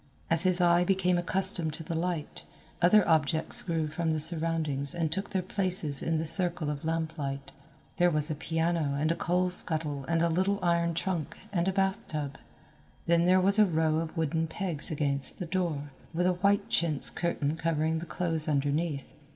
As his eye became accustomed to the light, other objects grew from the surroundings and took their places in the circle of lamplight. There was a piano and a coal scuttle and a little iron trunk and a bath tub. Then there was a row of wooden pegs against the door, with a white chintz curtain covering the clothes underneath.